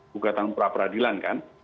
buka tanggung peradilan kan